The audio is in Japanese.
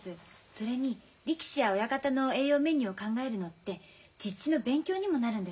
それに力士や親方の栄養メニューを考えるのって実地の勉強にもなるんです。